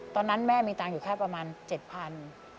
ตอนนั้นแม่มีตังค์อยู่แค่ประมาณ๗๐๐บาท